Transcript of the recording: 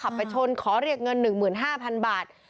ไปชนขอเรียกเงิน๑๕๐๐๐บาท